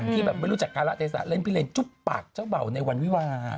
ที่ไม่รู้จักการอเจษะเรนพี่เรนจุ๊บปากเจ้าเบาในวันวิวัตร